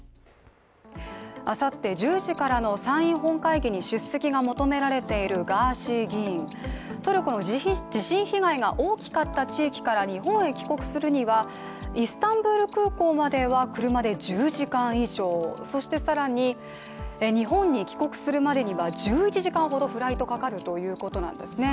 あさって１０時からの参院本会議に出席が求められているガーシー議員、トルコの地震被害が大きかった地域から日本へ帰国するには、イスタンブール空港までは車で１０時間以上、そして更に、日本に帰国するまでには１１時間ほどフライトがかかるということなんですね。